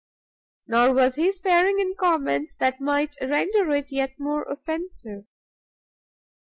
Nor was he sparing in comments that might render it yet more offensive.